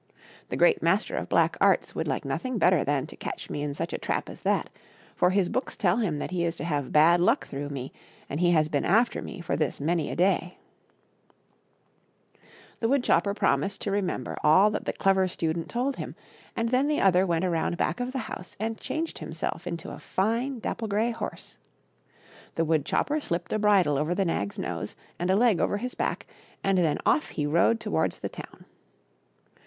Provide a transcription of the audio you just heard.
The Great Master of Black Arts would like nothing better than to catch me in such a trap as that, for his books tell him that he is to have bad luck through me, and he has been after me for this many a day/' The wood chopper promised to remember all that the Clever Student told him, and then the other went around back of the house and changed himself into a fine, dapple gray horse. The wood chopper slipped a bridle over the nag*s nose and a leg over his back, and then off he rode towards the town.